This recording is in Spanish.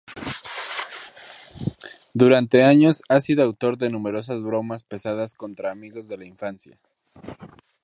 Durante años ha sido autor de numerosas bromas pesadas contra amigos de la infancia.